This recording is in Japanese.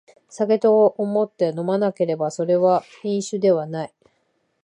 酒と思って飲まなければそれは飲酒ではない